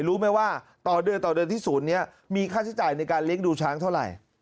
รู้ไหมว่าต่อเดือนต่อเดือนที่ศูนย์นี้มีค่าใช้จ่ายในการเลี้ยงดูช้างเท่าไหร่